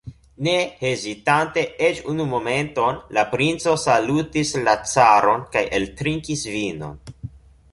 Ne hezitante eĉ unu momenton, la princo salutis la caron kaj eltrinkis vinon.